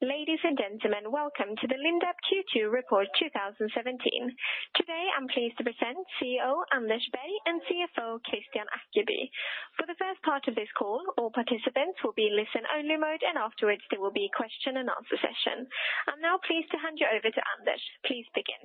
Ladies and gentlemen, welcome to the Lindab Q2 Report 2017. Today, I'm pleased to present CEO, Anders Berg, and CFO, Kristian Ackeby. For the first part of this call, all participants will be in listen-only mode, and afterwards, there will be Q&A session. I'm now pleased to hand you over to Anders. Please begin.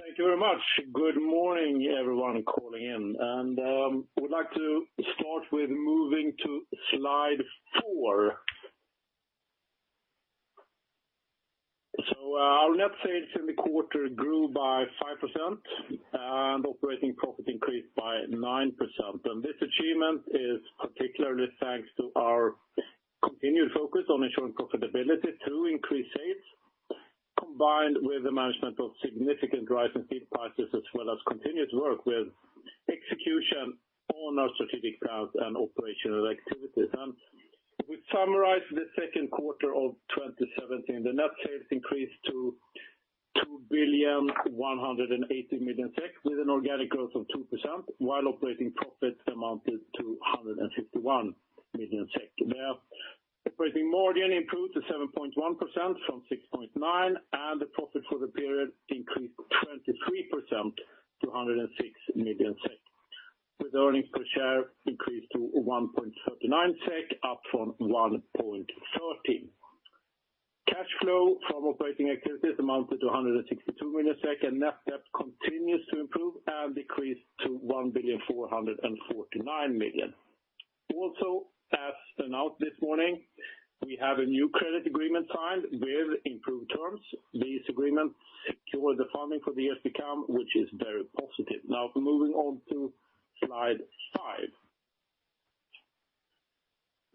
Thank you very much. Good morning, everyone calling in, would like to start with moving to slide four. Our net sales in the quarter grew by 5%, and operating profit increased by 9%. This achievement is particularly thanks to our continued focus on ensuring profitability to increase sales, combined with the management of significant rise in feed prices, as well as continued work with execution on our strategic plans and operational activities. We summarize the second quarter of 2017, the net sales increased to 2,180 million, with an organic growth of 2%, while operating profits amounted to 151 million. Now, operating margin improved to 7.1% from 6.9%, and the profit for the period increased 23% to 106 million SEK, with earnings per share increased to 1.39 SEK, up from 1.13. Cash flow from operating activities amounted to 162 million SEK, and net debt continues to improve and decrease to 1,449 million. Also, as announced this morning, we have a new credit agreement signed with improved terms. These agreements secure the funding for the years to come, which is very positive. Now, moving on to slide five.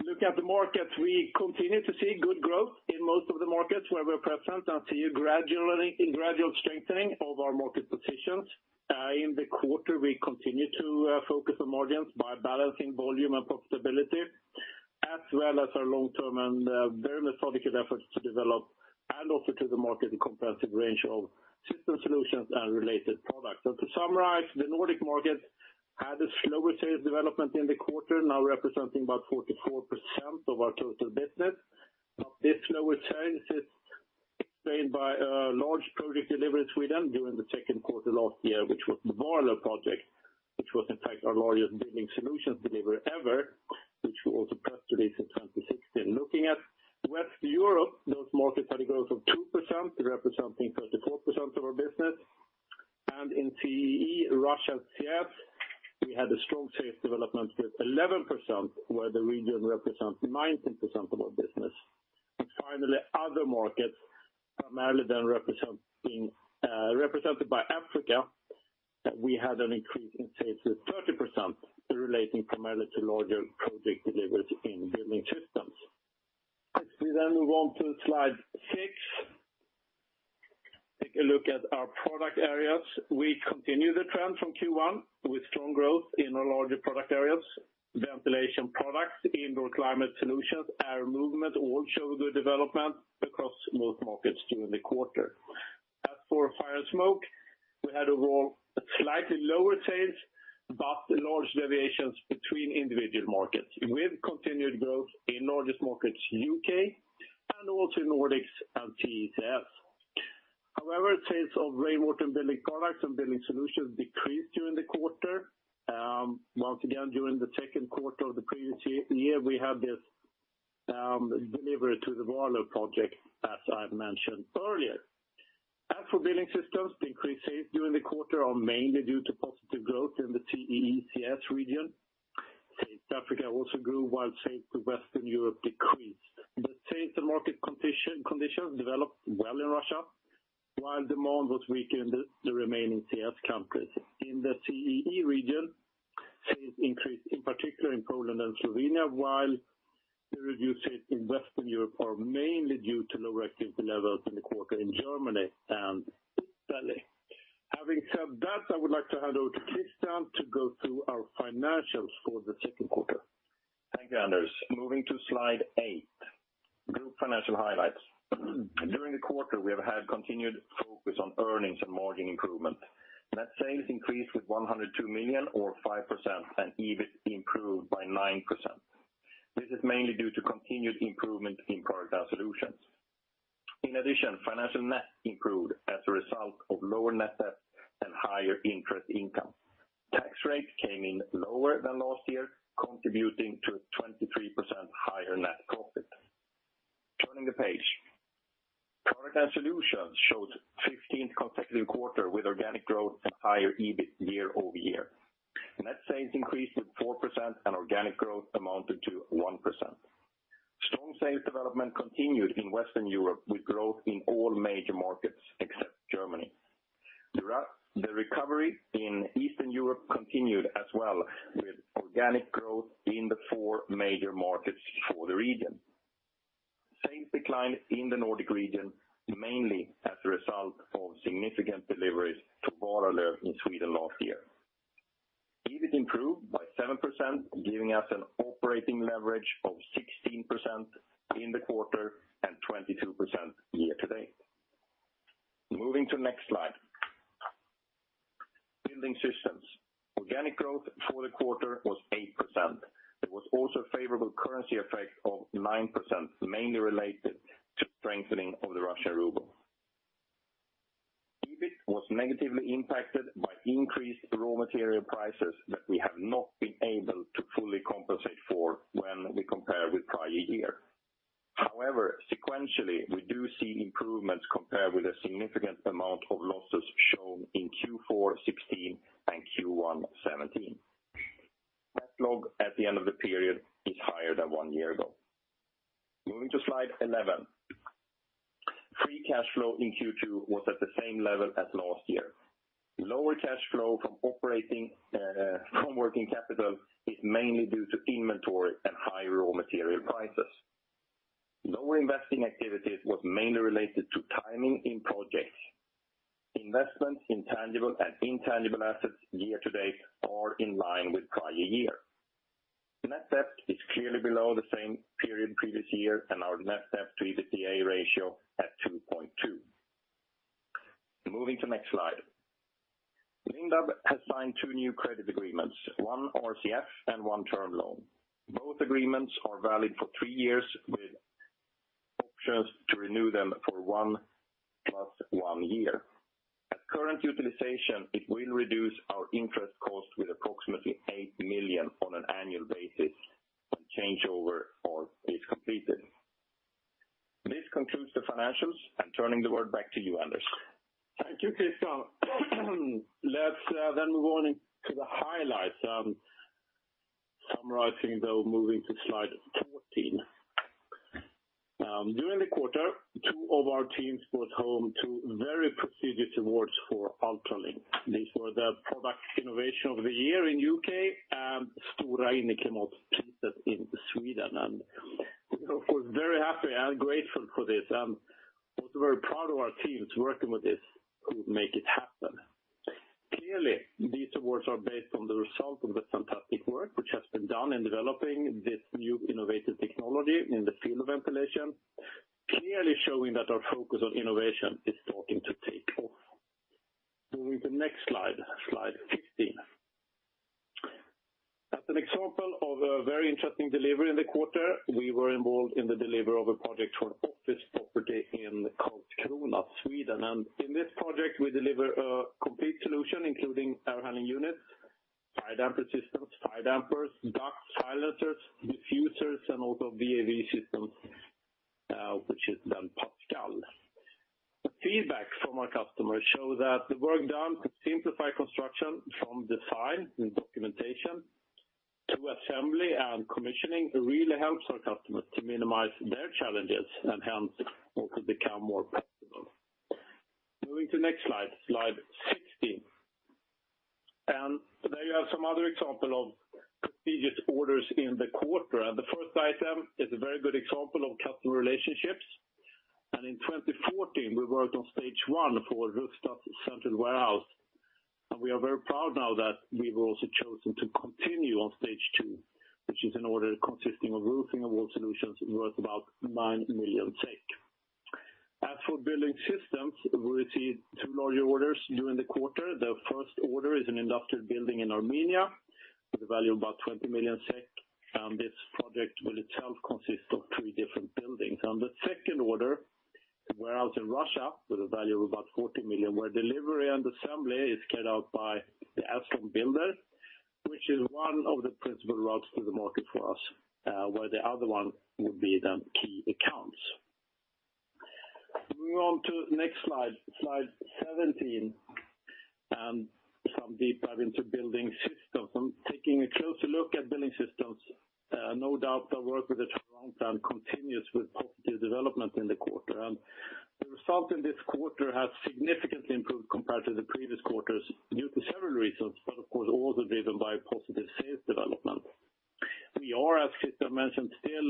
Looking at the markets, we continue to see good growth in most of the markets where we're present, and see a gradual strengthening of our market positions. In the quarter, we continue to focus on margins by balancing volume and profitability, as well as our long-term and very methodically efforts to develop and offer to the market a comprehensive range of system solutions and related products. To summarize, the Nordic market had a slower sales development in the quarter, now representing about 44% of our total business. This lower sales is explained by a large project delivery in Sweden during the second quarter last year, which was the Båstad project, which was, in fact, our largest building solutions delivery ever, which we also press released in 2016. Looking at Western Europe, those markets had a growth of 2%, representing 34% of our business. In CEE, Russia, and CIS, we had a strong sales development with 11%, where the region represents 19% of our business. Finally, other markets, primarily then represented by Africa, that we had an increase in sales with 30%, relating primarily to larger project deliveries in building systems. Let's then move on to slide six. Take a look at our product areas. We continue the trend from Q1 with strong growth in our larger product areas, ventilation products, Indoor Climate Solutions, air movement, all show good development across most markets during the quarter. As for fire and smoke, we had overall slightly lower sales, but large deviations between individual markets, with continued growth in largest markets, U.K. and also Nordics and CEE/CIS. Sales of rainwater and building products and building solutions decreased during the quarter. Once again, during the 2nd quarter of the previous year, we had this delivery to the Båstad project, as I've mentioned earlier. As for building systems, increased sales during the quarter are mainly due to positive growth in the CEE/CIS region. South Africa also grew, while sales to Western Europe decreased. The sales and market conditions developed well in Russia, while demand was weak in the remaining CIS countries. In the CEE region, sales increased, in particular in Poland and Slovenia, while the reduced sales in Western Europe are mainly due to lower activity levels in the quarter in Germany and Italy. Having said that, I would like to hand over to Kristian to go through our financials for the second quarter. Thank you, Anders. Moving to slide eight, group financial highlights. During the quarter, we have had continued focus on earnings and margin improvement. Net sales increased with 102 million or 5%, and EBIT improved by 9%. This is mainly due to continued improvement in product solutions. Financial net improved as a result of lower net debt and higher interest income. Tax rate came in lower than last year, contributing to a 23% higher net profit. Turning the page, product and solutions showed fifteenth consecutive quarter with organic growth and higher EBIT year-over-year. Net sales increased with 4% and organic growth amounted to 1%. Strong sales development continued in Western Europe, with growth in all major markets except Germany. The recovery in Eastern Europe continued as well, with organic growth in the four major markets for the region. Sales declined in the Nordic region, mainly as a result of significant deliveries to Båstad in Sweden last year. EBIT improved by 7%, giving us an operating leverage of 16% in the quarter and 22% year to date. Moving to the next slide.... Building systems. Organic growth for the quarter was 8%. There was also a favorable currency effect of 9%, mainly related to strengthening of the Russian ruble. EBIT was negatively impacted by increased raw material prices that we have not been able to fully compensate for when we compare with prior year. Sequentially, we do see improvements compared with a significant amount of losses shown in Q4 2016 and Q1 2017. Backlog at the end of the period is higher than one year ago. Moving to slide 11. Free cash flow in Q2 was at the same level as last year. Lower cash flow from working capital is mainly due to inventory and high raw material prices. Lower investing activities was mainly related to timing in projects. Investments in tangible and intangible assets year-to-date are in line with prior year. Net debt is clearly below the same period previous year, and our net debt to EBITDA ratio at 2.2. Moving to next slide. Lindab has signed two new credit agreements, one RCF and one term loan. Both agreements are valid for three years, with options to renew them for one plus one year. At current utilization, it will reduce our interest cost with approximately 8 million on an annual basis when changeover is completed. This concludes the financials. I'm turning the word back to you, Anders. Thank you, Kristian. Let's then move on into the highlights. Summarizing, though, moving to slide 14. During the quarter, two of our teams brought home two very prestigious awards for UltraLink. These were the product innovation of the year in U.K., and Stora Inneklimatpriset in Sweden. We're, of course, very happy and grateful for this, also very proud of our teams working with this, who make it happen. Clearly, these awards are based on the result of the fantastic work which has been done in developing this new innovative technology in the field of ventilation, clearly showing that our focus on innovation is starting to take off. Moving to the next slide 15. As an example of a very interesting delivery in the quarter, we were involved in the delivery of a project for an office property in Karlskrona, Sweden. In this project, we deliver a complete solution, including air handling units, fire damper systems, fire dampers, ducts, silencers, diffusers, and also VAV systems, which is then Pascal. The feedback from our customers show that the work done to simplify construction from design and documentation to assembly and commissioning, really helps our customers to minimize their challenges and, hence, also become more profitable. Moving to the next slide 16. There you have some other example of prestigious orders in the quarter, and the first item is a very good example of customer relationships. In 2014, we worked on stage one for Posten's Central Warehouse, and we are very proud now that we were also chosen to continue on stage two, which is an order consisting of roofing and wall solutions worth about 9 million SEK. As for building systems, we received two larger orders during the quarter. The first order is an industrial building in Armenia with a value of about 20 million SEK, and this project will itself consist of three different buildings. The second order, a warehouse in Russia, with a value of about 40 million, where delivery and assembly is carried out by the Astron Builder, which is one of the principal routes to the market for us, where the other one would be the key accounts. Moving on to the next slide 17, some deep dive into building systems. From taking a closer look at building systems, no doubt the work with the long term continues with positive development in the quarter. The result in this quarter has significantly improved compared to the previous quarters, due to several reasons, but of course, also driven by positive sales development. We are, as Kristian mentioned, still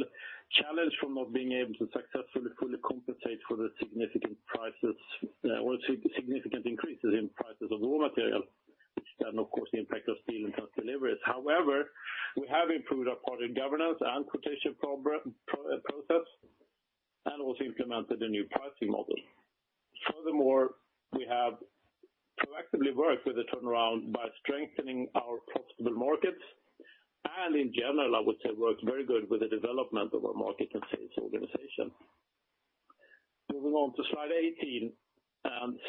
challenged from not being able to successfully fully compensate for the significant prices, or significant increases in prices of raw material, which then, of course, the impact of steel and truck deliveries. However, we have improved our product governance and quotation process, and also implemented a new pricing model. Furthermore, we have proactively worked with the turnaround by strengthening our profitable markets, and in general, I would say, worked very good with the development of our market and sales organization. Moving on to slide 18,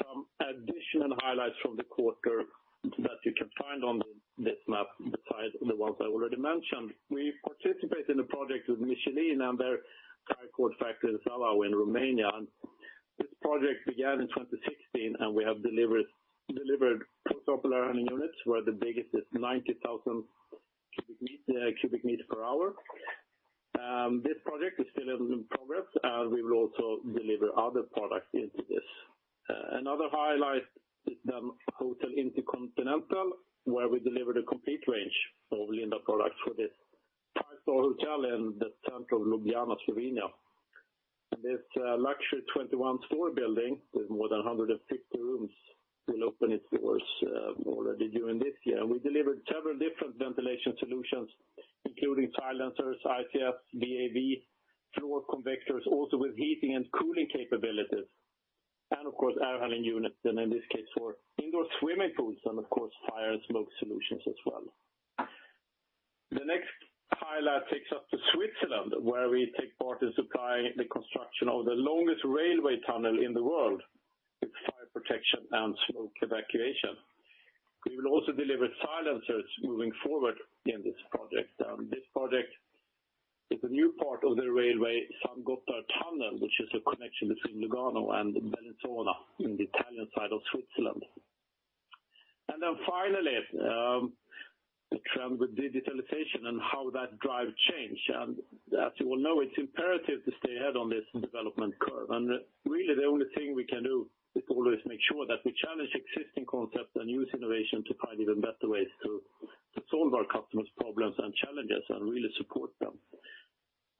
some additional highlights from the quarter that you can find on this map, besides the ones I already mentioned. We participate in a project with Michelin in their tire cord factory in Zalau, in Romania. This project began in 2016, and we have delivered four popular cooling units, where the biggest is 90,000 cubic meters per hour. This project is still in progress, and we will also deliver other products into this. Another highlight is the InterContinental Hotels, where we delivered a complete range of Lindab products for this five-star hotel in the center of Ljubljana, Slovenia. This luxury 21-story building, with more than 150 rooms, will open its doors already during this year. We delivered several different ventilation solutions. Including silencers, ICS, VAV, floor convectors, also with heating and cooling capabilities, and of course, air handling units, and in this case, for indoor swimming pools, and of course, fire and smoke solutions as well. The next highlight takes us to Switzerland, where we take part in supplying the construction of the longest railway tunnel in the world, with fire protection and smoke evacuation. We will also deliver silencers moving forward in this project. This project is a new part of the railway, San Gottardo Tunnel, which is a connection between Lugano and Bellinzona, in the Italian side of Switzerland. Finally, the trend with digitalization and how that drive change. As you all know, it's imperative to stay ahead on this development curve, and really, the only thing we can do is always make sure that we challenge existing concepts and use innovation to find even better ways to solve our customers' problems and challenges, and really support them.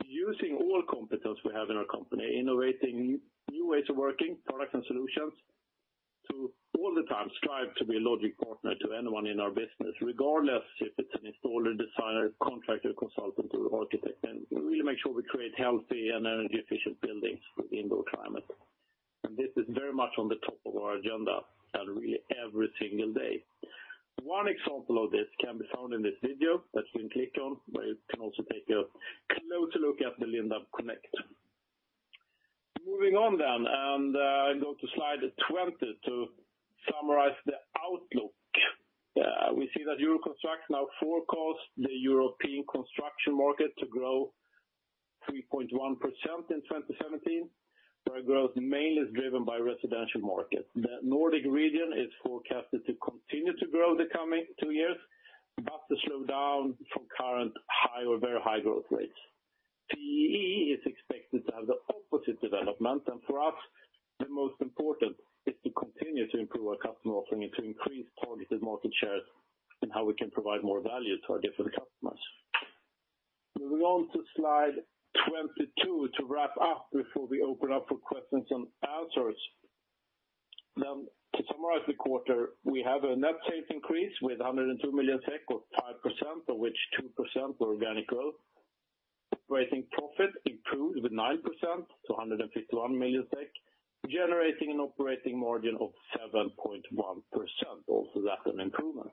Using all competence we have in our company, innovating new ways of working, product and solutions, to all the time strive to be a logic partner to anyone in our business, regardless if it's an installer, designer, contractor, consultant, or architect, and really make sure we create healthy and energy efficient buildings with indoor climate. This is very much on the top of our agenda, and really every single day. One example of this can be found in this video, that you can click on, where you can also take a closer look at the Lindab Connect. Moving on then, and go to slide 20 to summarize the outlook. We see that EUROCONSTRUCT now forecasts the European construction market to grow 3.1% in 2017, where growth mainly is driven by residential markets. The Nordic region is forecasted to continue to grow the coming two years, but to slow down from current high or very high growth rates. CEE is expected to have the opposite development, and for us, the most important is to continue to improve our customer offering and to increase targeted market shares, and how we can provide more value to our different customers. Moving on to slide 22, to wrap up before we open up for questions and answers. To summarize the quarter, we have a net sales increase with 102 million SEK, or 5%, of which 2% were organic growth. Operating profit improved with 9% to 151 million, generating an operating margin of 7.1%. That's an improvement.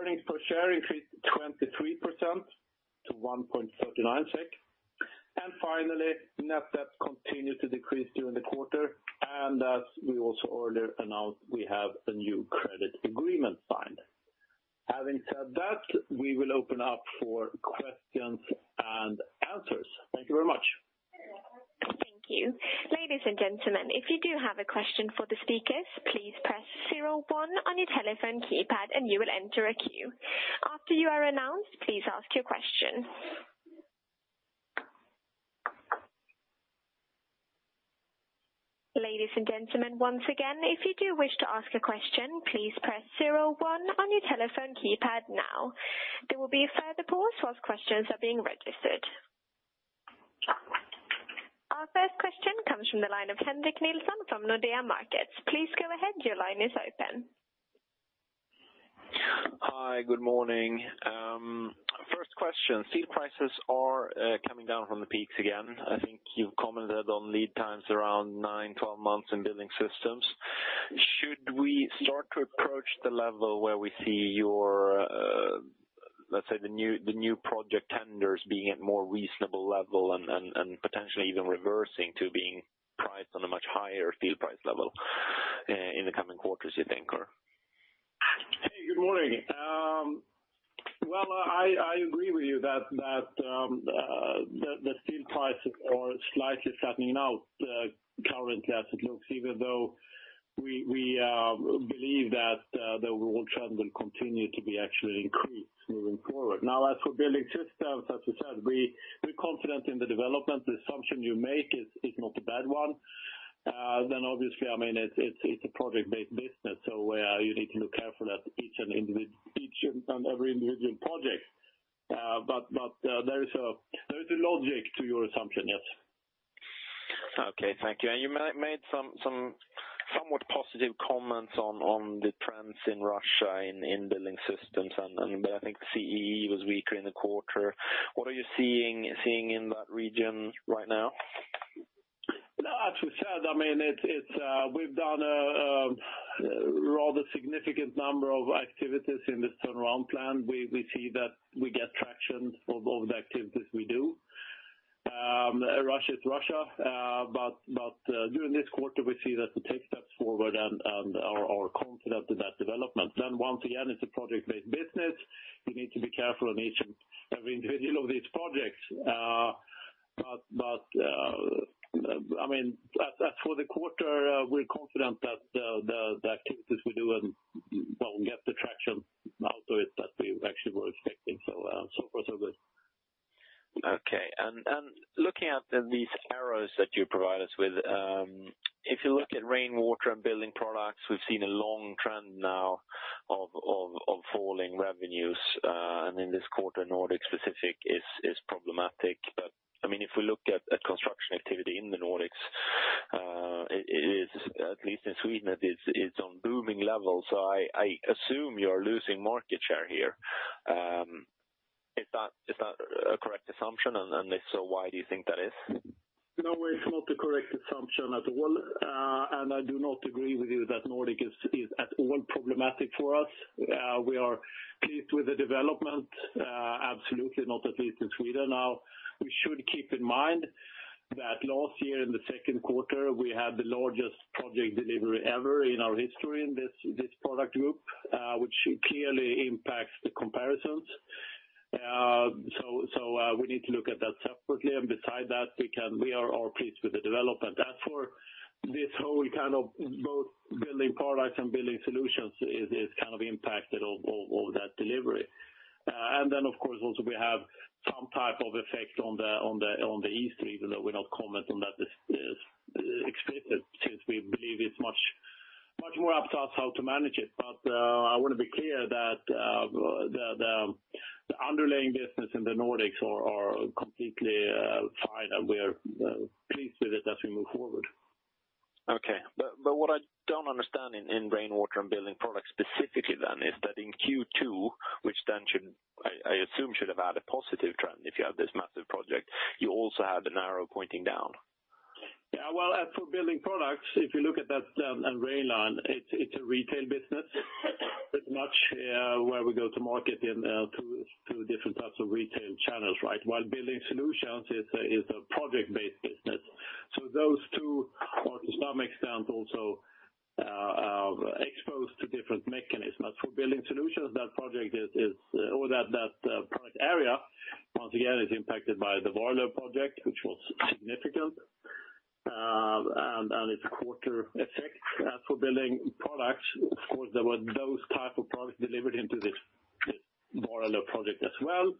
Earnings per share increased 23% to 1.39 SEK. Finally, net debt continued to decrease during the quarter, and as we also earlier announced, we have a new credit agreement signed. Having said that, we will open up for questions and answers. Thank you very much. Thank you. Ladies and gentlemen, if you do have a question for the speakers, please press zero one on your telephone keypad, and you will enter a queue. After you are announced, please ask your question. Ladies and gentlemen, once again, if you do wish to ask a question, please press zero one on your telephone keypad now. There will be a further pause whilst questions are being registered. Our first question comes from the line of Henrik Nilsson from Nordea Markets. Please go ahead, your line is open. Hi, good morning. First question, steel prices are coming down from the peaks again. I think you've commented on lead times around nine, 12 months in building systems. Should we start to approach the level where we see your, let's say, the new project tenders being at more reasonable level and potentially even reversing to being priced on a much higher steel price level in the coming quarters, you think, or? Hey, good morning. Well, I agree with you that, the steel prices are slightly flattening out, currently as it looks, even though we, believe that, the world trend will continue to be actually increased moving forward. Now, as for building systems, as you said, we're confident in the development. The assumption you make is not a bad one. Obviously, I mean, it's, it's a project-based business, so where you need to look carefully at each and every individual project. There is a, there is a logic to your assumption, yes. Okay. Thank you. You made some somewhat positive comments on the trends in Russia, in building systems, and I think CEE was weaker in the quarter. What are you seeing in that region right now? As we said, I mean, it's, we've done a rather significant number of activities in this turnaround plan. We see that we get traction of the activities we do. Russia is Russia, but during this quarter, we see that we take steps forward and are confident in that development. Once again, it's a project-based business. We need to be careful on each and every individual of these projects. But, I mean, as for the quarter, we're confident that the activities we do and, well, get the traction out of it that we actually were expecting. So far, so good. Okay. Looking at these arrows that you provide us with, if you look at rainwater and building products, we've seen a long trend now of falling revenues. In this quarter, Nordic specific is problematic. I mean, if we look at construction activity in the Nordics, it is, at least in Sweden, it's on booming levels, so I assume you're losing market share here. Is that a correct assumption? If so, why do you think that is? No, it's not the correct assumption at all. I do not agree with you that Nordic is at all problematic for us. We are pleased with the development, absolutely not, at least in Sweden. Now, we should keep in mind that last year, in the second quarter, we had the largest project delivery ever in our history in this product group, which clearly impacts the comparisons. We need to look at that separately, and beside that, we are all pleased with the development. As for this whole kind of both building products and building solutions is kind of impacted of that delivery. Of course, also we have some type of effect on the Easter, even though we not comment on that, explicit, since we believe it's much, much more up to us how to manage it. I wanna be clear that, the underlying business in the Nordics are completely fine, and we are pleased with it as we move forward. What I don't understand in Rainwater and Building Products specifically then, is that in Q2, which then should, I assume, should have had a positive trend, if you have this massive project, you also have an arrow pointing down. Well, for Building Products, if you look at that, and rain line, it's a retail business. It's much where we go to market in 2 different types of retail channels, right? While Building Solutions is a project-based business. Those two, for some extent, also are exposed to different mechanisms. For Building Solutions, that project is, or that project area, once again, is impacted by the Varberg project, which was significant, and it's a quarter effect. For Building Products, of course, there were those type of products delivered into this Varberg project as well.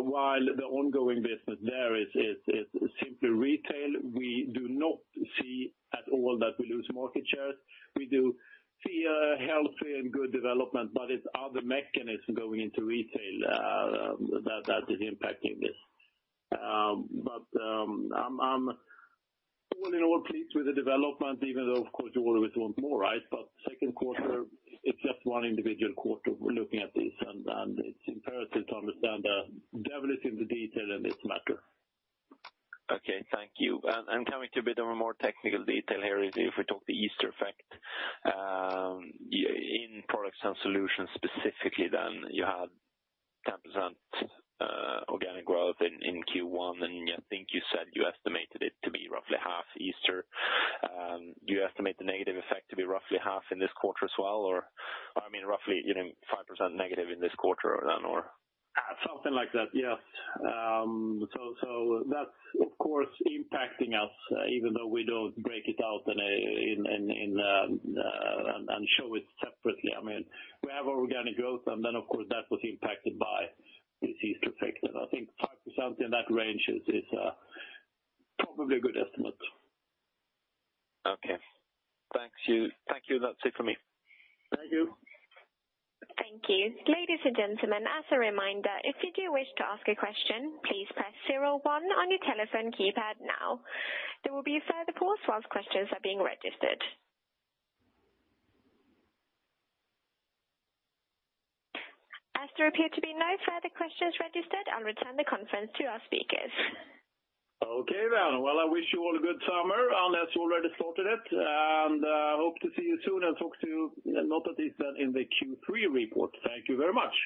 While the ongoing business there is simply retail, we do not see at all that we lose market shares. We do see a healthy and good development, but it's other mechanisms going into retail, that is impacting this. I'm all in all pleased with the development, even though, of course, you always want more, right? Second quarter, it's just 1 individual quarter, we're looking at this, and it's imperative to understand the devil is in the detail in this matter. Okay, thank you. Coming to a bit of a more technical detail here is if we talk the Easter effect, in products and solutions, specifically then, you had 10% organic growth in Q1, and I think you said you estimated it to be roughly half Easter. Do you estimate the negative effect to be roughly half in this quarter as well? I mean, roughly, you know, 5% negative in this quarter then, or? Something like that, yes. That's, of course, impacting us, even though we don't break it out and show it separately. I mean, we have organic growth, and then, of course, that was impacted by this Easter effect. I think 5% in that range is, probably a good estimate. Okay. Thank you. Thank you, that's it for me. Thank you. Thank you. Ladies and gentlemen, as a reminder, if you do wish to ask a question, please press zeroone on your telephone keypad now. There will be a further pause while questions are being registered. As there appear to be no further questions registered, I'll return the conference to our speakers. Okay. I wish you all a good summer, and as you already started it, and hope to see you soon and talk to you, not at least then in the Q3 report. Thank you very much.